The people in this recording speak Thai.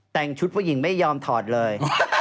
แต่งชุดผู้หญิงไม่ยอมถอดเลย